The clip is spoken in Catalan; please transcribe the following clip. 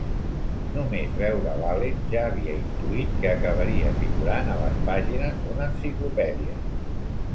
Només veure l'Allen ja havia intuït que acabaria figurant a les pàgines d'una enciclopèdia.